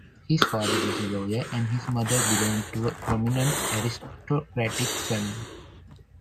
His father was a lawyer and his mother belonged to a prominent aristocratic family.